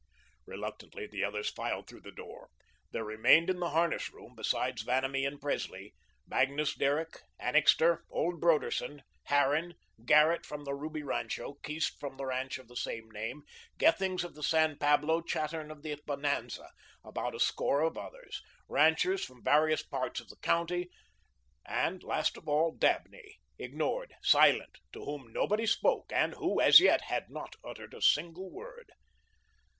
Reluctantly the others filed through the door. There remained in the harness room besides Vanamee and Presley Magnus Derrick, Annixter, old Broderson Harran, Garnett from the Ruby rancho, Keast from the ranch of the same name, Gethings of the San Pablo, Chattern of the Bonanza, about a score of others, ranchers from various parts of the county, and, last of all, Dabney, ignored, silent, to whom nobody spoke and who, as yet, had not uttered a word.